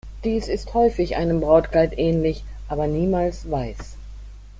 Dies ist häufig einem Brautkleid ähnlich, aber niemals weiß.